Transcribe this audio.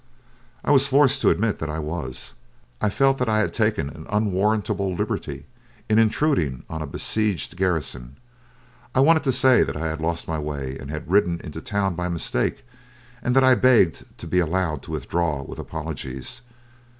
I was forced to admit that I was. I felt that I had taken an unwarrantable liberty in intruding on a besieged garrison. I wanted to say that I had lost my way and had ridden into the town by mistake, and that I begged to be allowed to withdraw with apologies.